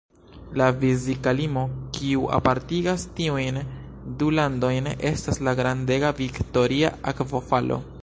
La fizika limo kiu apartigas tiujn du landojn estas la grandega Viktoria Akvofalo.